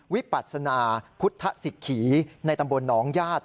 วิปัศนาพุทธศิกขีในตำบลหนองญาติ